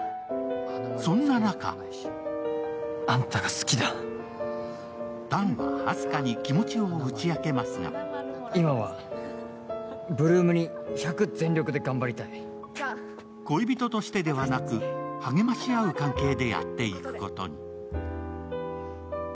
そんな中弾はあす花に気持ちを打ち明けますが恋人としてではなく励まし合う関係でやっていくことに。